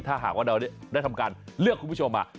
ถ้าหากเราได้เลือกคุณผู้ชมมา